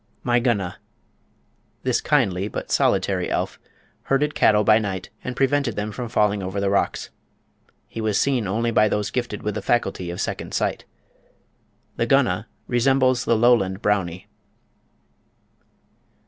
My Gunna. This kindly, but solitary, elf herded cattle by night, and prevented them from falling over the rocks. He was seen only by those gifted with the faculty of "second sight." The Gunna resembles the Lowland "Brownie."